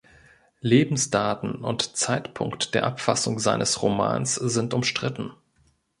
Lebensdaten und Zeitpunkt der Abfassung seines Romans sind umstritten.